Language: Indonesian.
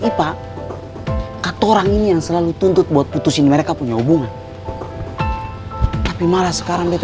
lupa kata orang ini yang selalu tuntut buat putusin mereka punya hubungan tapi malah sekarang mereka